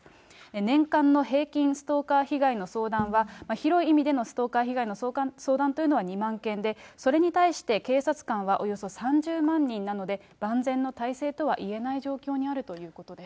年間の平均ストーカー被害の相談は、広い意味でのストーカー被害の相談というのは２万件で、それに対して警察官はおよそ３０万人なので、万全の体制とは言えない状況にあるということです。